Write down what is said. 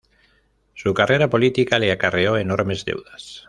Su carrera política le acarreó enormes deudas.